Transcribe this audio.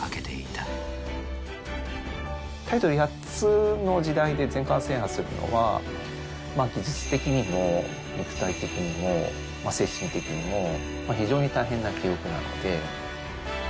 タイトル８つの時代で全冠制覇するのは技術的にも肉体的にも精神的にも非常に大変な記録なので。